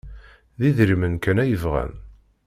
D idrimen kan ay bɣan.